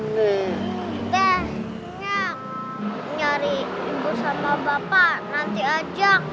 nye nyam nyari ibu sama bapak nanti ajak